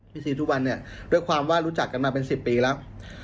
พี่ศรีสุวรรณด้วยความว่ารู้จักกันมาเป็น๑๐ปีแล้ว